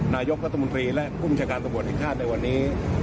นายกกตาบุญภีร์และผู้บัญชาการตำรวจเอกฆาตในวันนี้